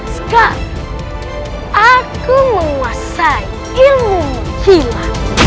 sekarang aku menguasai ilmu kima